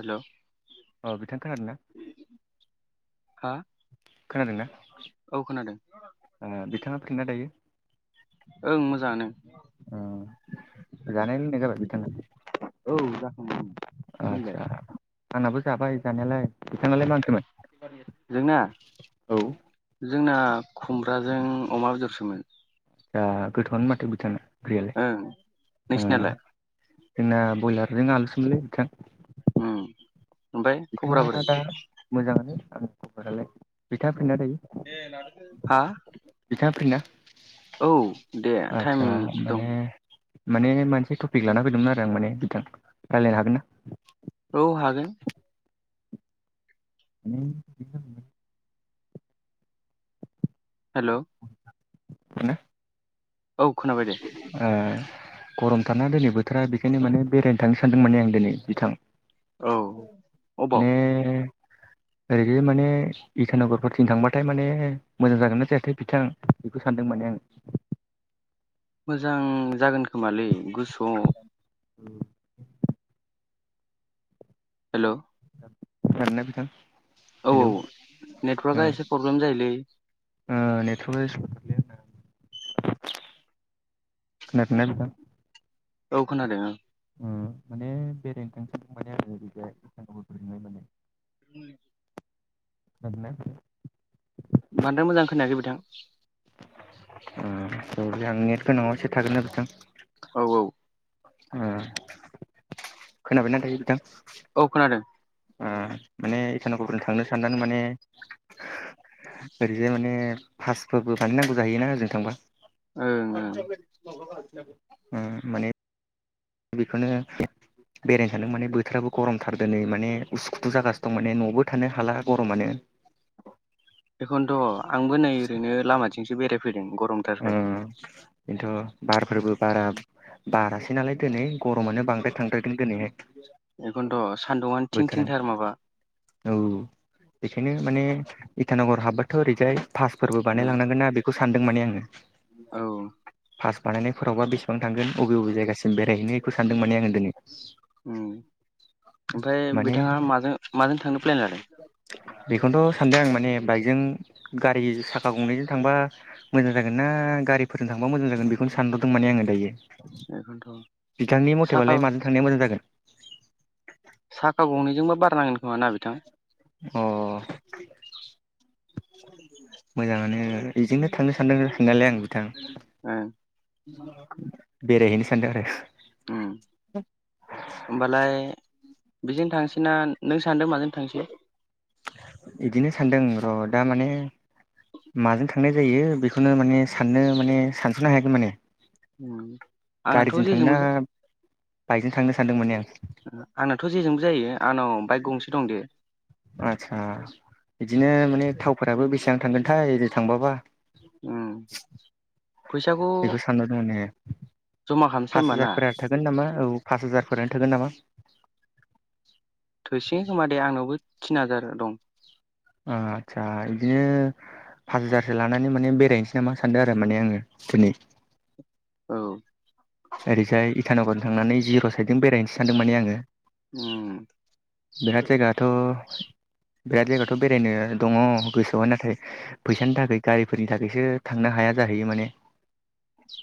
हेल' अ बिथां खोनादोंना हा खोनादोंना औ खोनादों बिथाङा फ्रिना दायो ओं मोजाङानो ओ जानाय लोंनाय जाबाय बिथांना औ जाखांबाय नोंलाय आदसा आंनाबो जाबाय जानायालाय बिथांनालाय मा ओंख्रिमोन जोंना औ जोंना खुम्राजों अमा बेदरसोमोन। दा गोथावानो माथो बिथांना ओंख्रिआलाय ओं ओ नोंसिनालाय जोंना ब्रयलारजों आलुसोमोनलै बिथां उम ओमफ्राय खबरा बोरै बिथाङा दा मोजांनो आंनि बरालाय बिथाङा थायो ए हा बिथाङा फ्रिना औ दे टाइम आदसा दं माने माने मोनसे टपिक लाना फैदोंमोन आरो आं माने बिथां रायज्लायनो हागोन ना औ हागोन [unintelligible] हेल' [unintelligible] औ खोनाबायदे ओ गरमथारना दिनै बोथोरा बेखायनो माने बेरायनो थांनो सानदों माने आं दिनै बिथां औ अबाव माने ओरै माने इटानगरफोरथिं थांबाथाय माने मोजां जागोनना जायाथाय बिथां बेखौ सानदों माने आं मोजां जागोन खोमालै गुसु उम हेल' खोनादोंना बिथां औ हेल' नेटवर्कआ उम एसे प्रब्लेम जायोलै ओ नेटवर्कनि एसे फ्रब्लेम जादों खोनादोंना नोंथां औ खोनादोंं उम माने बेरायनो थांसै [unintelligible] [unintelligible] बांद्राय मोजां खोनायाखै बिथां। औलै आं नेट गोनाङाव एसे थाग्रोनो बिथां। औऔ। ओ खोनाबायना दायो बिथां। औ खोनादों। ओ माने इटानगरफोर थांनो साननानै माने ओरैजाय माने फासफोरबो बानायनांगौ जाहैयोना ओजों थांबा। ओं ओं उम माने बिखोनो बेरायनो सानदों माने बोथोराबो गरमथार दोनै माने उसुखुथु जागासिनो दं माने नआवबो थानो हाला गरमानो। एखोनथ आंबो नै ओरैनो लामाथिंसो बेरायफैदों गरमथारखाय। उम। बेन्थ बारफोरबो बारा बाराखैनालाय दोनै। गरमानो बांद्राय थांद्रायदों दिनैहाय बेखौनोथ' सान्दुंआनो थिं बोथोरा। थिंथार माबा औ बेखायनो माने इटानगर हाबबाथ ओरैजाय पासफोरबो ओं बानायलांनांगोन ना बेखौ सानदों माने आङो। औ। पास बानायनायफोरावबा बेसेबां थांगोन अबे-अबे जायगासिम बेरायहैनो खौ सानदों माने आङो दोनै। उम। ओमफ्राय माने बिथाङा माजों-माजों थांनो प्लेन लादों। बेखौनोथ' सानदों आं माने बाइकजों गारि साखा गंनैजों थांबा मोजां जागोन ना गारिफोरजों थांबा मोजां जागोन बेखौनो सानहरदों माने आङो दायो। बेखौनोथ' बिथांनि मथे साखा बालाय माजों थांनाया मोजां जागोन। साखा गंनैजोंबा बारनांगोन खोमा ना बिथां। अ मोजाङानो। उम इजोंनो थांनो सानदों साननायालाय आं बिथां। ओ। बेरायहैनो सानदों आरो। होमबालाय बेजोंनो थांसै ना नों सानदों माजों थांसै? इदिनो सान्दों र दा माने माजों थांनाय जायो बेखौनो माने साननो माने सानस'नो हायाखै माने उम आंनाथ' गारिजों थांनोना जेजोंबो बाइकजों थांनो सानदों माने आं। आंनाथ जेजोंबो जायो आंनाव बाइक गंसे दं दे। आतसा बिदिनो माने थावफोराबो बेसां थांगोन थाय ओरै थांबाबा उम फैसाखौ बेखौ सानहरदों माने जमा खामसै होमबा ना? थोगोन नामा औ पास हाजारफोरानो थोगोन नामा थोसिगोन खोमा दे आंनावबो थिन हाजार दं। ओ आतसा इदिनो पास हाजारसो लानानै माने बेरायनोसै नामा सानदों आरो माने आङो दिनै। औ। ओरैजाय इटानगर थांनानै जिर' साइदजों बेरायनोसै सानदों माने आङो। उम। बिराद जायगाथ' बिराद जायगाथ' बेरायनो दङ गोसोआव नाथाय फैसानि थाखै गारिफोरनि थाखैसो थांनो हाया जाहैयो माने।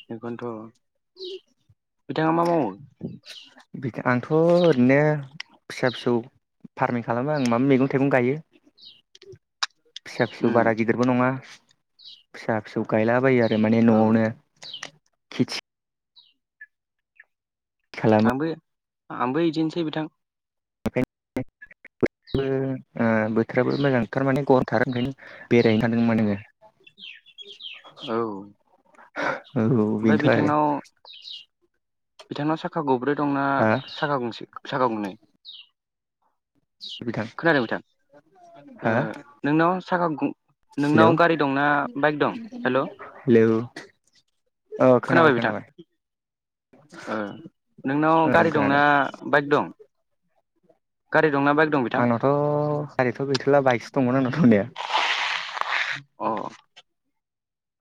बेखौनोथ' बिथाङा मा मावो? बिख आंथ' ओरैनो फिसा फिसौ फारमिं खालामो आं माबा मैगं थाइगं गायो। फिसा फिसौ उम बारा गिदिरबो नङा फिसा फिसौ गायलाबायो आरो माने औ न'आव नो खेथि खालामो आंबो इदिनोसै बिथां। ओंखायनोबो ओ बोथोराबो मोजां थारमाने गरमथार ओंखायनो बेरायनो थादों नामा नोङोबो। औ औ ओमफ्राय बिन्थ' आरो। बिथांनाव बिथांनाव साखा गंब्रै दंना हा साखा साखा गंनै? बिथां। खोनादों बिथां। नोंनाव ओ साखा गं नोंनाव हेल' गारि दंना बाइक दं हेल' हेलौ। अ खोनाबाय खोनाबाय। ओ नोंनाव खोनादों गारि खोनादों दंना बाइक दं? गारि दं ना बा बाइक आंनावथ' गारिथ' गैथ'ला बाइकसो दंमोन आंनाव दंनाया। अ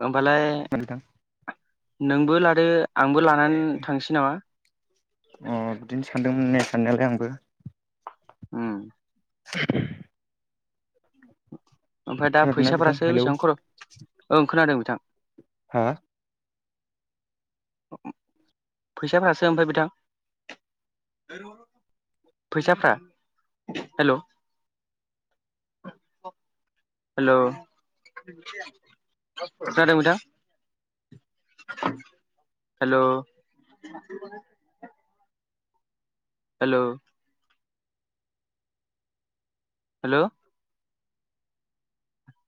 ओमबालाय [unintelligible] नोंबो लादो आंबो लानानै थांसै नामा? अ बिदिनो सानदोंमोन ने साननायालाय आंबो। ओम। [inaudible] ओमफ्राय दा खोनादोंना बिथां फैसाफोरासो हेलौ बेसेबां खर' ओं खोनादों बिथां। हा? [inaudible] फैसाफोरासो ओमफाय बिथां? फैसाफोरा हेलौ। हेल'। खोनादों बिथां? हेल'। [inaudible] हेल' हेल'।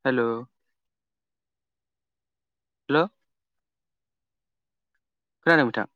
हेल'। हेल'। खोनादों बिथां?